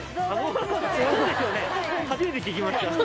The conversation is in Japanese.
初めて聞きました。